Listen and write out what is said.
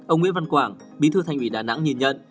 ông nguyễn văn quảng bí thư thành ủy đà nẵng nhìn nhận